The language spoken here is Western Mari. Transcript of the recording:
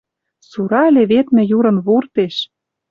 Сура леведмӹ юрын вуртеш